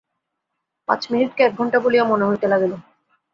পাঁচ মিনিটকে এক ঘন্টা বলিয়া মনে হইতে লাগিল।